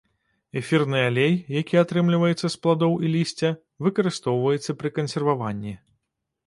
Эфірны алей, які атрымліваецца з пладоў і лісця, выкарыстоўваецца пры кансерваванні.